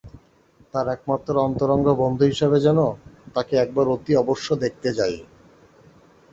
তার একমাত্র অন্তরঙ্গ বন্ধু হিসেবে যেন তাকে একবার অতি অবশ্য দেখতে যাই।